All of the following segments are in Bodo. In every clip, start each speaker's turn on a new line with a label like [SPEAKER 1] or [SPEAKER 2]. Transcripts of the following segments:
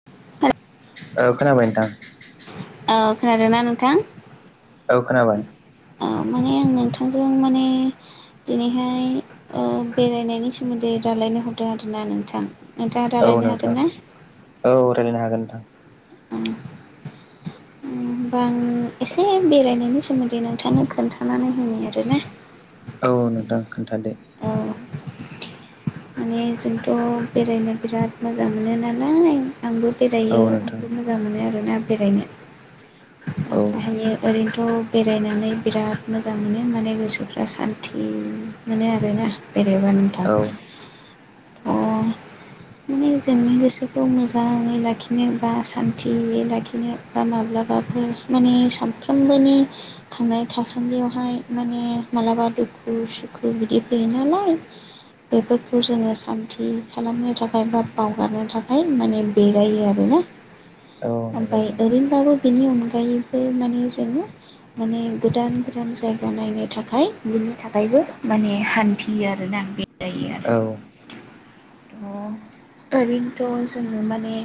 [SPEAKER 1] [inaudible]
[SPEAKER 2] औ खोनाबाय नोंथां।
[SPEAKER 1] औ खोनादोंना नोंथां?
[SPEAKER 2] औ खोनाबाय
[SPEAKER 1] ओ माने आं नोंथांजों माने दिनैहाय ओ बेरायनायनि सोमोन्दै रालायनो हरदों आरोना नोंथां। नोंथाङा
[SPEAKER 2] औ
[SPEAKER 1] रायलायनो हागोन
[SPEAKER 2] नोंथां,
[SPEAKER 1] ना
[SPEAKER 2] औ रायलायनो हागोन नोंथां।
[SPEAKER 1] औ होमबा आं एसे बेरायनायनि सोमोन्दै नोंथांनो खोन्थानानै होनि आरोना।
[SPEAKER 2] औ औ नोंथां खोन्थादो।
[SPEAKER 1] औ माने जोंथ' बेरायनो बिराद मोजां मोनो नालाय आंबो
[SPEAKER 2] औ
[SPEAKER 1] बेरायो
[SPEAKER 2] नोंथां
[SPEAKER 1] आंबो मो जां मोनो आरोना बेरायनो।
[SPEAKER 2] औ।
[SPEAKER 1] फायो ओरैनोथ' बेरायनानै बिराद मोजां मोनो माने गोसोफ्रा सान्थि मोनो आरोना बेरायबा नोंथां।
[SPEAKER 2] औ
[SPEAKER 1] अ'। माने जोंनि गोसोखौ मोजाङै लाखिनो बा सान्थियै लाखिनो बा माब्लाबाफोर माने सानफ्रोमबोनि थांनानै थासानदियावहाय माने मालाबा दुखु सुखु बिदि फैयो नालाय बेफोरखौ जोङो सान्थि खालामनो था खाय बा बावगारनो थाखाय माने बेरायो आरोना।
[SPEAKER 2] औ नंगौ
[SPEAKER 1] ओमफाय
[SPEAKER 2] नोंथां
[SPEAKER 1] ओरैनोबाबो बेनि अनगायैबो मानि जोङो माने गोदान गोदान जायगा नायनो थाखाय बिनि थाखायबो माने हान्थियो आरोना बे [unintelligible]
[SPEAKER 2] औ।
[SPEAKER 1] [unintelligible] ओरैनोथ' जोङो माने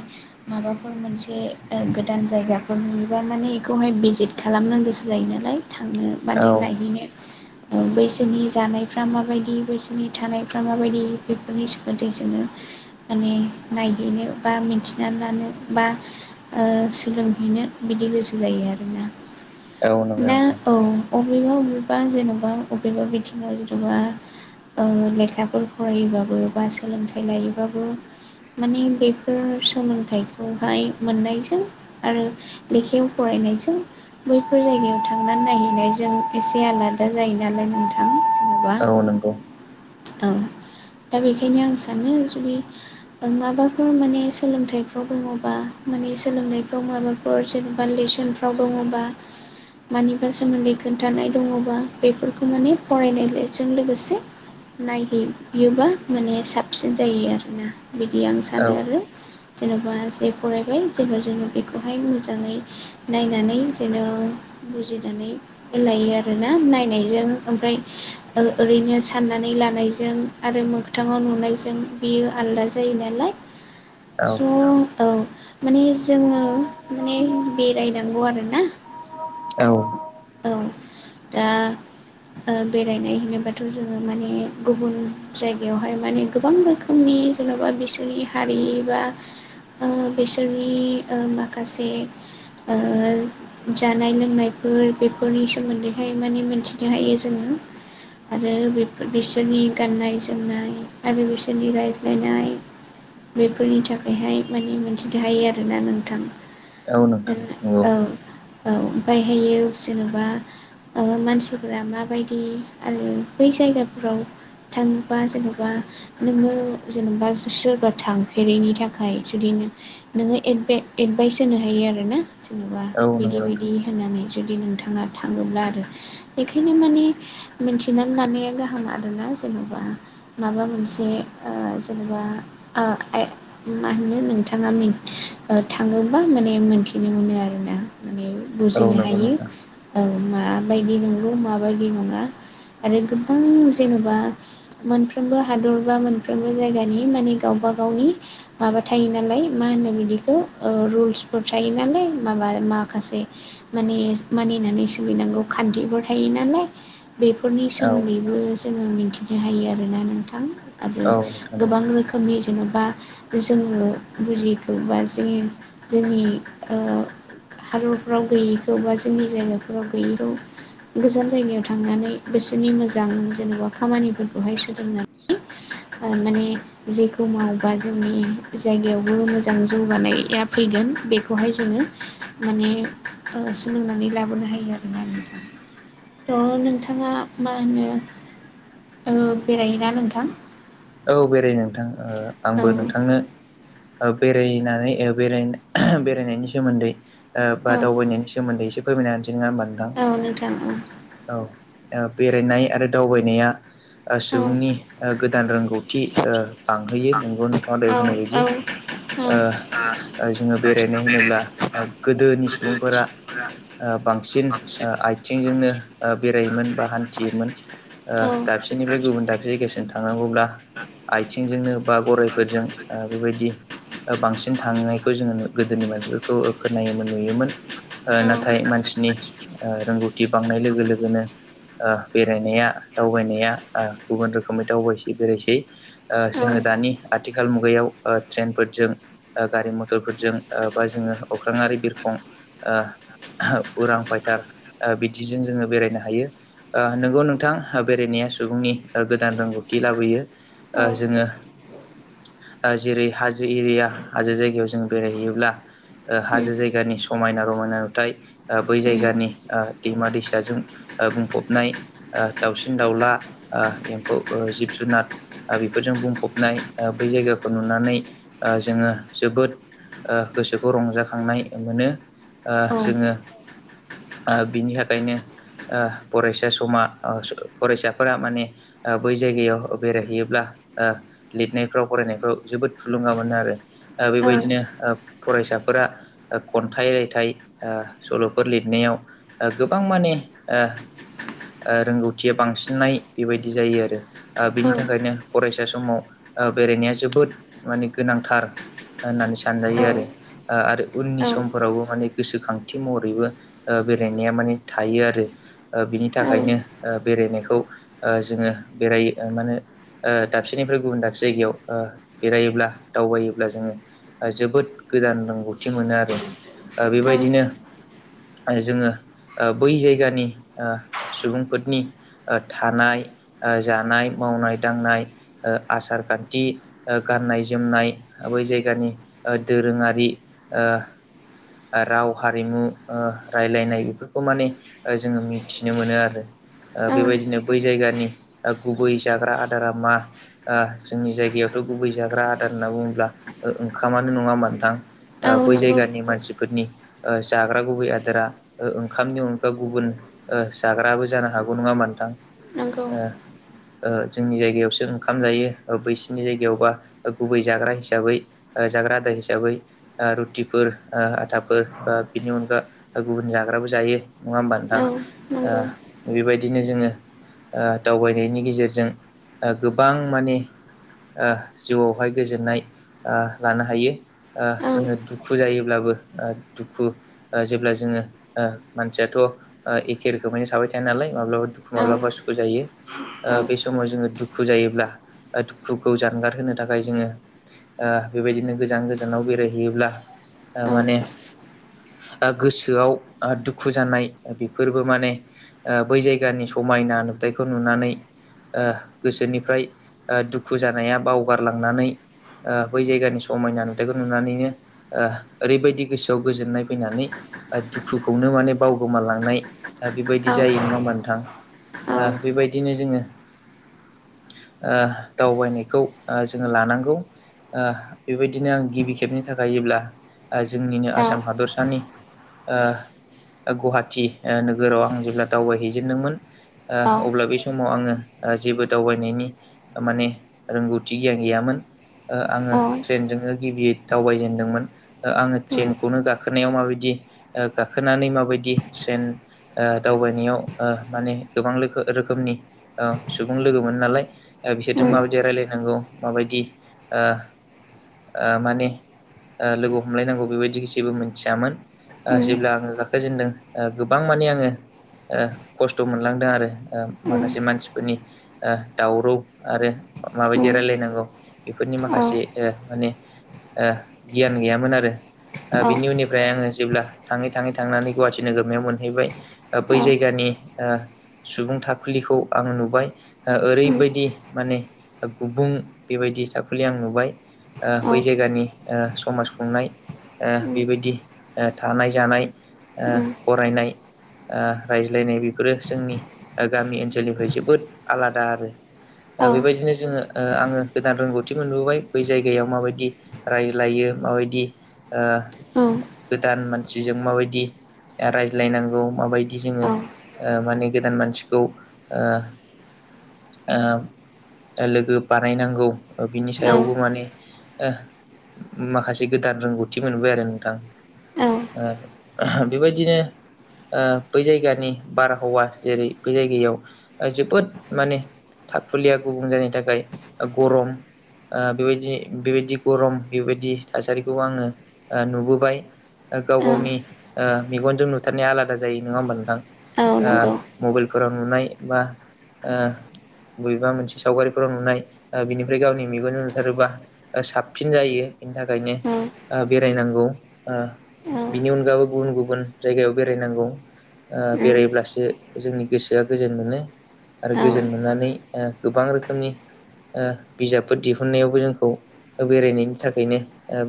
[SPEAKER 1] माबाफोर मोनसे ओ गोदान जायगाफोर नुयोबा माने बेखौहाय भिजिट खालामनो गोसो जायो नालाय थांनो बा
[SPEAKER 2] औ
[SPEAKER 1] दे नायहैनो बैसोरनि जानायफ्रा माबायदि बैसोरनि थानायफ्रा माबायदि बेफोरनि सोमोन्दै जोङो माने नायहैनो बा मिन्थिनानै लानो बा ओ सोलोंहैनो बिदि गोसो जायो आरोना।
[SPEAKER 2] औ नंगौ
[SPEAKER 1] दा
[SPEAKER 2] नोंथां
[SPEAKER 1] औ अबेबा अबेबा जेन'बा अबेबा बिथिङाव जेन'बा ओ लेखाफोर फरायोबाबो बा सोलोंथाइ लायोबाबो मानि बेफोर सोलोंथाइखौहाय मोननायजों आरो लेखायाव फरायनायजों बैफोर जायगायाव थांनानै नायहैनायजों एसे आलादा जायो नालाय नोंथां। जेन'बा
[SPEAKER 2] औ नंगौ
[SPEAKER 1] औ दा बेखायनो आं सानो जुदि माबाफोर माने सोलोंथाइफ्राव दङ'बा माने सोलोंनायफ्राव माबा फोर जेन'बा लेसनफ्राव दङ'बा मानिबा सोमोन्दै खोन्थानाय दङ'बा बेफोरखौ माने फरायनाय बेजों लोगोसे नायहैयोब्ला माने साबसिन जायो आरोना बिदि आं
[SPEAKER 2] औ
[SPEAKER 1] सानो आरो। जेन'बा जे फरायबाय जेब्ला जेबो बेखौहाय मोजाङै नायनानै जेन' बुजिनानै लायो आर ना नायनायजों ओमफ्राय ओरैनो साननानै लानायजों आरो मोखथाङाव नुनायजों बियो आलादा जायो नालाय
[SPEAKER 2] औ
[SPEAKER 1] स' औ माने जोङो माने बेरायनांगौ आरोना।
[SPEAKER 2] औ
[SPEAKER 1] औ दा ओ बेरायनाय होनोबाथ' जोङो माने गुबुन जायगायावहाय माने गोबां रोखोम उननि जेन'बा बिसोरनि हारि बा ओ बिसोरनि ओ माखासे ओ जानाय लोंनायफोर बेफोरनि सोमोन्दैहाय माने मोनथिनो हायो जोङो। आरो बिसोरनि गाननाय जोमनाय आरो बिसोर [unintelligible] राइज्लायनाय बेफोरनि थाखायहाय माने मोनथिनो हायो आरोना नोंथां।
[SPEAKER 2] नोंथां नंगौ
[SPEAKER 1] औ औ ओमफायहायो जेनेबा मानसिफोरा माबायदि आरो बै जायगाफोराव थाङोबा जेनेबा नोङो जेनेबा सोरबा थांफेरैनि थाखाय जुदि नों नोङो एड एडभाइस होनो हायो आरोना जेनेबा
[SPEAKER 2] औ नंगौ
[SPEAKER 1] बिदि
[SPEAKER 2] नोंथां
[SPEAKER 1] बिदि फैनानै जुदि नोंथाङा थाङोब्ला आरो बेखायनो माने मिथिनानै लानाया गाहाम आरोना जेनेबा माबा मोनसे जेनेबा मा होनो नोंथाङा थाङोबा माने मोन्थिनो मोनो आरोना माने
[SPEAKER 2] औ
[SPEAKER 1] बुजिनो
[SPEAKER 2] नंगौ
[SPEAKER 1] हायो
[SPEAKER 2] नोंथां
[SPEAKER 1] औ माबायदि नंगौ माबायदि नङा। आरो गोबां जेन'बा मोनफ्रोमबो हादर बा मोनफ्रोमबो जायगानि माने गावबा गावनि माबा थायो नालाय मा होनो बिदिखौ रुल्सफोर थायो नालाय माबा माखासे माने मानिनानै सोलिनांगौ खान्थिफोर थायो नालाय बेफोरनि
[SPEAKER 2] औ
[SPEAKER 1] सोमोन्दैबो जोङो मिथिनो हायो आरोना नोंथां। आरो
[SPEAKER 2] औ नोंथां
[SPEAKER 1] गोबां
[SPEAKER 2] नंगौ
[SPEAKER 1] रोखोमनि जेन'बा जोङो बुजियैखौबा जोंनि जोंनि हादरफ्राव गैयैखौ बा जोंनि जायगाफोराव गैयैखौ गोजान जायगायाव थांनानै बिसोरनि मोजां जेन'बा खामानिफोरखौहाय सोलोंनानै माने जेखौ मावोबा जोंनि जायगायावबो मोजां जौगानाया फैगोन बेखौहाय जोङो माने सोलोंनानै लाबोनो हायो आरोना नोंथां थ' नोंथाङा मा होनो बेरायोना नोंथां?
[SPEAKER 2] औ बेराय नोंथां
[SPEAKER 1] औ
[SPEAKER 2] आंबो नोंथांनो बेरायनानै बेरायनायनि सोमोन्दै ओ बा
[SPEAKER 1] औ
[SPEAKER 2] दावबायनायनि सोमोन्दै एसे फोरमाय होनोसै नङा होनोमबा
[SPEAKER 1] औ नोंथां
[SPEAKER 2] औ बेरायनाय आरो दावबायनाया
[SPEAKER 1] औ
[SPEAKER 2] सुबुंनि गोदान रों गौथि बांहोयो नोंगौ नोंथाङा दहय बुंनाय बायदि।
[SPEAKER 1] उम
[SPEAKER 2] ओ
[SPEAKER 1] उम
[SPEAKER 2] जोङो बेरायनाय होनोब्ला गोदोनि सुबुंफोरा बांसिन आथिंजोंनो बेरायोमोन बा हान्थियोमोन
[SPEAKER 1] औ
[SPEAKER 2] दाबसिनि फ्राय गुबुन दाबसे जायगासिम थांनांगौब्ला आइथिंजोंनो बा गरायफोरजों बेबायदि बांसिन थांनायखौ जोङो गोदोनि मानसिफोरखौ खोनायोमोन नुयोमोन नाथाय मानसिनि रोंगौथि बांनाय लोगो लोगोनो बेरायनाया दावनाय गुबुन रोखोखै दावबायसै बेरायसै जोङो दा नि आथिखाल मुगायाव ट्रेनफोरजों गारि मथरफोरजों बा जोङो अख्रांरि बिरखं उरां फायथार बिदिजों जोङो बेरायनो हायो। ओ नोंगौ नोंथां बेरायनाया सुबुंनि गोदान रोंगौथि लाबोयो।
[SPEAKER 1] उम उम
[SPEAKER 2] जोङो जेरै हाजो एरिया हाजो जायगायाव जों बेरायहैयोब्ला ओ हाजो जायगानि समायना रमायना नुथाय बै जायगानि दैमा दैसाजों बुंफबनाय ओ दाउसिन दाउला ओ एम्फौ जिब जुनार ओ बेफोरजों बुंफबनाय ओ बै जायगाखौ नुनानै जोङो जोबोद ओ गोसोखौ रंजाखांनाय मोनो ओ
[SPEAKER 1] औ
[SPEAKER 2] जोङो ओ बिनि थाखायनो ओ फरायसा समा ओ फरायसाफोरा माने ओ बै जायगायाव बेराय योब्ला ओ लिरनायफ्राव फरायनायफ्राव जोबोद थुलुंगा मोनो आरो ओ बेबायदिनो ओ फरायसाफोरा खन्थाइ रायथाइ ओ सल'फोर लिरनायाव गोबां माने ओ ओ रोंगौथिया बांसिननाय बेबायदि जायो आरो
[SPEAKER 1] औ
[SPEAKER 2] ओ बेनि थाखाय नो फरायसा समाव ओ बेरायनाया जोबोद माने गोनांथार होननानै सानजायो ओ आरो उननि समफोरावबो माने गोसोखांथि महरैबो ओ बेरायनाया माने थायो आरो ओ बिनि थाखायनो ओ बेरायनायखौ ओ जोङो बेरायो मा होनो ओ दाबसेनिफ्राय गुबुन दाबसे जायगायाव ओ बेरायोब्ला दावबायोब्ला जोङो ओ जोबोद गोदान रोंगौथि मोनो आरो ओ बेबायदिनो जोङो ओ बै जायगानि ओ सुबुंफोरनि थानाय जानाय मावनाय दांनाय ओ आसार खान्थि गाननाय जोमनाय बै जायगानि ओ दोरोङारि ओ ओ राव हारिमु ओ रायलायनाय बेफोरखौ माने ओ जोङो मिथिनो मोनो आरो
[SPEAKER 1] औ
[SPEAKER 2] बेबायदिनो ओ बै जायगानि गुबै जाग्रा आदार दारामा ओ जोंनि जायगायावथ' गुबै जाग्रा आदार होनना बुङोब्ला ओंखामानो नङाहोनबा नोंथां
[SPEAKER 1] औ
[SPEAKER 2] ओ बै
[SPEAKER 1] नंगौ
[SPEAKER 2] जायगानि मानसिफोरनि जाग्रा गुबै आदारा ओंखामनि अनगा गुबुन ओ जाग्राबो जानो हागौ नङा होनबा नोंथां
[SPEAKER 1] नंगौ
[SPEAKER 2] ओ जोंनि जायगायावसो ओंखाम जायो बैसिनि जायगायावबा गुबै जाग्रा हिसाबै ओ जाग्रा आदाय हिसाबै ओ रुटिफोर ओ आटाफोर बा बिनि अनगा गुबुन जाग्राबो जायो नङा होमबा नोंथां
[SPEAKER 1] औ नंगौ
[SPEAKER 2] ओ बेबायदिनो जोङो ओ दावबायनायनि गेजेरजों ओ गोबां माने ओ जिउआवहाय गोजोननाय ओ लानो हायो ओ
[SPEAKER 1] औ
[SPEAKER 2] जोङो दुखु जायोब्लाबो ओ दुखु ओ जेब्ला जोङो ओ मानसियाथ'ओ एखे रोखोमैनो थाबाय थाया नालाय माब्लाब दुखु
[SPEAKER 1] औ
[SPEAKER 2] माब्लाबा सुखु जायो
[SPEAKER 1] औ
[SPEAKER 2] ओ बे समाव जोङो दुखु जायोब्ला दुखुखौ जानगार होनो थाखाय जोङो ओ बेबायदिनो गोजान गोजानाव बेरायहैयोब्ला ओ
[SPEAKER 1] औ
[SPEAKER 2] माने गोसोआव दुखु जानाय बेफोरबो माने ओ बै जायगानि समायना नुथायखौ नुनानै ओ गोसोनिफ्राय दुखु जानाया बावगारलांनानै ओ बै जायगानि समायना नुथायखौ नुनानैनो ओ ओरैबायदि गोसोआव गोजोननाय फैनानै ओ दुखुखौनो माने बावगोमालांनाय ओ बेबायदि जायो नङा होनबा नोथां
[SPEAKER 1] औ
[SPEAKER 2] ओ बेबायदिनो जोंङो ओ दावबायनायखौ ओ जोंङो लानांगौ ओ बेबायदिनो आं गिबि खेबनि थाखाय जेब्ला जोंनिनो आसाम
[SPEAKER 1] औ
[SPEAKER 2] हादरसानि ओ गुवाहाटि ओ नोगोराव आं जेब्ला दावबायहैजेनदोंमोन ओ
[SPEAKER 1] औ
[SPEAKER 2] अब्ला बे समाव आङो जोबोद दावबायनायनि माने रोंगौथि गियान गैयामोन। ओ आङो ट्रेनजोंनो गिबि दावबायजेनदोंमोन आङो
[SPEAKER 1] उम
[SPEAKER 2] ट्रेनखौनो गाखोनायाव माबायदि ओ गाखोनानै माबायदि ट्रेन ओ दावबायनायाव ओ माने गोबां रोखो रोखोमनि ओ सु बुं लोगो मोन नालाय बिसोरजों
[SPEAKER 1] उम
[SPEAKER 2] माबायदि रायलायनांगौ माबायदि ओ ओ माने ओ लोगो हमलायनांगौ बेबायदि जेबो मिथियामोन ओ
[SPEAKER 1] उम
[SPEAKER 2] जेब्ला आङो फैजेनदों गोबां माने आङो ओ खस्थ' मोनलांदों आरो।
[SPEAKER 1] उम
[SPEAKER 2] माखासे मानसिफोरनि ओ दावराव आरो माबायदि
[SPEAKER 1] उम
[SPEAKER 2] रायलायनांगौ बेफोरनि
[SPEAKER 1] औ
[SPEAKER 2] माखासे ओ माने ओ गियान गैयामोन आरो
[SPEAKER 1] औ
[SPEAKER 2] बिनि उनाव ओमफ्राय आङो जेब्ला थाङै थाङै थांनानै गुवाहाटि नोगोरमायाव मोनहैबाय बै
[SPEAKER 1] उम औ
[SPEAKER 2] जायगानि ओ सुबुं थाखुलिखौ आङो नुबाय
[SPEAKER 1] उम
[SPEAKER 2] ओरैबायदि माने गुबुं बेबायदि थाखोनि आं नुबाय। ओ
[SPEAKER 1] उम औ
[SPEAKER 2] बै जायगानि ओ समाज खुंनाय ओ बेबायदि ओ थानाय जानाय ओ फरायनाय ओ रायज्लायनाय बेफोरो जोंनि गामि ओनसोलनिफ्राय जोबोद आलादा आरो बेबायदिनो जोङो ओ आङो गोदान रोंगौथिफोरखौहाय बै जायगायाव माबायदि रायज्लायो माबायदि ओ गोदान मानसिजों माबायदि रायज्लायनांगौ माबायदि जोङो माने गोदान मानसिखौ ओ ओ लोगो बानायनांगौ बिनि सायावबो माने ओ माखासे गोदान रोंगौथि मोनबाय आरो नोंथां।
[SPEAKER 1] औ
[SPEAKER 2] ओ बेबायदिनो ओ बै जायगानि बारहावा जेरै बै जायगायाव जोबोद माने थाखुलिया गुबुं जानायनि थाखाय गरम ओ बेबायदि बेबायदि गरम बेबायदि थासारिखौबो आङो नुबोबाय गाव गावनि ओ मेगनजों नुथारनाया आलादा जायो नङा होमबा नोंथां
[SPEAKER 1] औ
[SPEAKER 2] ओ
[SPEAKER 1] नंगौ
[SPEAKER 2] मबाइलफोराव नुनाय बा ओ बबेबा मोनसे सावगारिफोराव नुनाय बिनिफ्राय गावनि मेगनजों नुथारोबा साबसिन जायो बेनि
[SPEAKER 1] औ
[SPEAKER 2] थाखायनो बेरायनांगौ ओ
[SPEAKER 1] औ उम औ
[SPEAKER 2] बिनि अनगाबो गुबुन गुबुन जायगायाव बेरायनांगौ। ओ बेरायब्लासो जोंनि गोसोआ गोजोन मोनो। आरो गोजोन
[SPEAKER 1] औ
[SPEAKER 2] मोननानै ओ गोबां रोखोमनि ओ बिजाबफोर दिहुननायावबो जोंखौ बेरायनायनो थाखायनो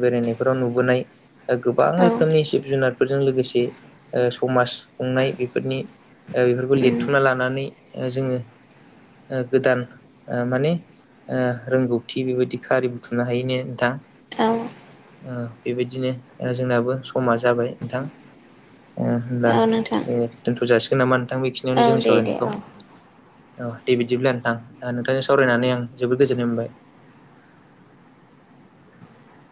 [SPEAKER 2] बेरायनायफोराव नुबोनाय गोबां
[SPEAKER 1] उम
[SPEAKER 2] रोखोमनि जिब जुनार फोरजों लोगोसे समाज खुंनाय बेफोरनि बेफोरखौ लिरथुमना लानो थानानै जोङो गोदान माने रोंगौथि बेबायदिनो खारि बुथुमनो हायोना नोंथां।
[SPEAKER 1] ओ
[SPEAKER 2] बेबायदिनो जोंनाबो समा जाबाय नोंथां। ओ होनब्ला
[SPEAKER 1] औ नोंथां
[SPEAKER 2] दोनथ' जाासिगोन नामा नोंथां
[SPEAKER 1] औ
[SPEAKER 2] बेखिनियावनो जोंनि
[SPEAKER 1] दे दे
[SPEAKER 2] सावरायनायखौ।
[SPEAKER 1] औ
[SPEAKER 2] औ दे बिदिब्ला नोंथां नोंथांजों सावरायनानै आं जोबोद गोजोननाय मोनबाय।